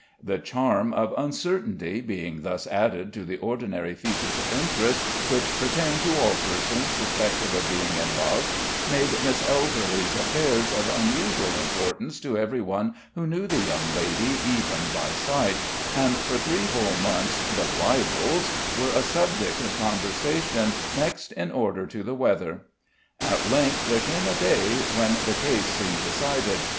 The charm of uncertainty being thus added to the ordinary features of interest which pertain to all persons suspected of being in love, made Miss Elserly's affairs of unusual importance to every one who knew the young lady even by sight, and for three whole months "the rivals" were a subject of conversation next in order to the weather. At length there came a day when the case seemed decided.